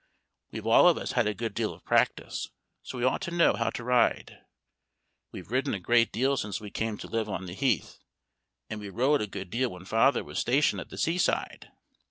We've all of us had a good deal of practice, so we ought to know how to ride; We've ridden a great deal since we came to live on the Heath, and we rode a good deal when Father was stationed at the sea side.